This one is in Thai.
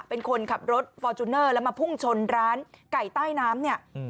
เป็นคนขับรถฟอร์จูเนอร์แล้วมาพุ่งชนร้านไก่ใต้น้ำเนี่ย